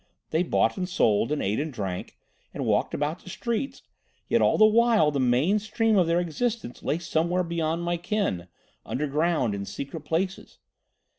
They bought and sold, and ate and drank, and walked about the streets, yet all the while the main stream of their existence lay somewhere beyond my ken, underground, in secret places.